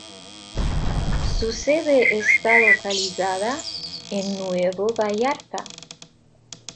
Su sede está localizada en Nuevo Vallarta.